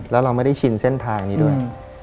แล้วเราไม่ได้ชินเส้นทางนี้ด้วย